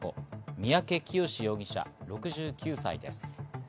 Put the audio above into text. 三宅潔容疑者、６９歳です。